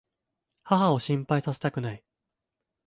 母を心配させたくない。